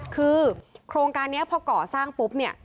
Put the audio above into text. คือโครงการนี้พอก่อสร้างปุ๊บเนี่ย